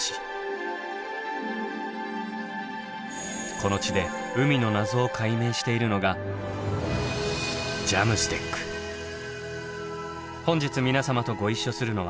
この地で海の謎を解明しているのが本日皆様とご一緒するのは。